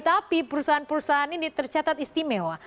tapi perusahaan perusahaan ini tercatat istimewa